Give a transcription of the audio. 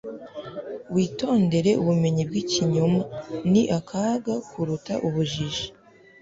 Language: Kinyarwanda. witondere ubumenyi bw'ikinyoma; ni akaga kuruta ubujiji